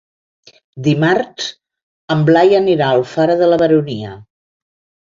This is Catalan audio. Dimarts en Blai anirà a Alfara de la Baronia.